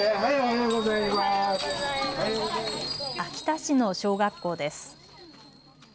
秋田市の小学校です。